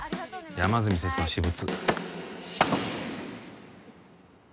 山住先生の私物